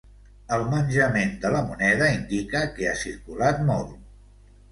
El menjament de la moneda indica que ha circulat molt.